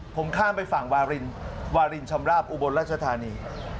ผมข้ามไปฝั่งวารินวารินชำราบอุบลราชธานี